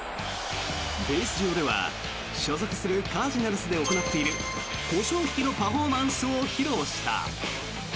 ベース上では所属するカージナルスで行っているコショウひきのパフォーマンスを披露した。